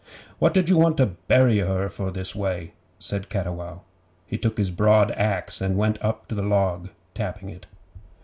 'What did you want to bury her for this way?' said Cattiwow. He took his broad axe and went up the log tapping it.